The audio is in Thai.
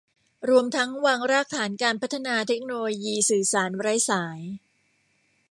รวมทั้งวางรากฐานการพัฒนาเทคโนโลยีสื่อสารไร้สาย